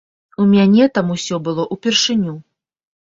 У мяне там усё было ўпершыню.